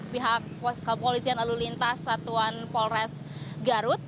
pihak kepolisian lalu lintas satuan polres garut